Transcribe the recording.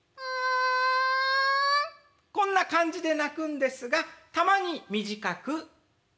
こんな感じで鳴くんですがたまに短く。